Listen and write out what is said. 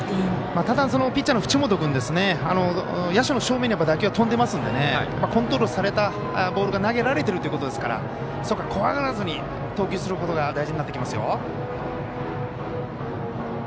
ただ、ピッチャーの淵本君野手の正面に打球が飛んでますのでコントロールされたボールが投げられているということですからそこは怖がらずに投球することが大事になってきますよ。